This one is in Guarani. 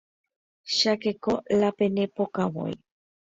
chakeko la pene pokãvoi